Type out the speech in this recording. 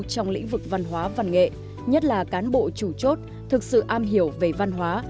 trong lĩnh vực văn hóa văn nghệ nhất là cán bộ chủ chốt thực sự am hiểu về văn hóa